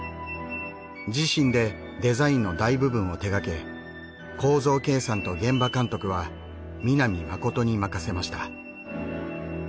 自身でデザインの大部分を手がけ構造計算と現場監督は南信に任せました。